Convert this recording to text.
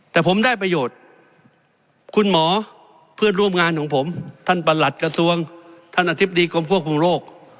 แต่ผมได้ประโยชน์คุณหมอเพื่อนร่วมงานของผมท่านประหลัดกระทรวงท่านอธิบดีกรมควบคุมโรค